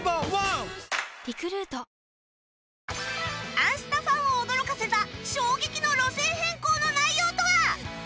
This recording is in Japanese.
『あんスタ』ファンを驚かせた衝撃の路線変更の内容とは？